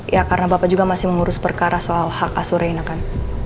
ya karena bapak juga masih mengurus perkara soal hak asure ini kan